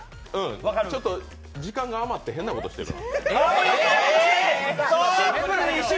ちょっと時間が余って変なことしてるわ。